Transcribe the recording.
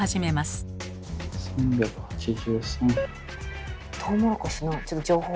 ３８３。